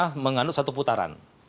karena mengandung satu putaran